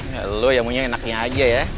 ya lo yang punya enaknya aja ya